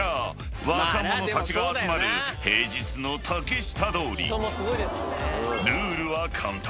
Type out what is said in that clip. ［若者たちが集まる平日の竹下通り］［ルールは簡単］